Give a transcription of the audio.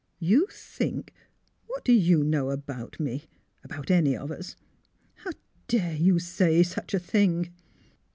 '' You think ? What do you know about me — about any of us! How dare you say such a thing!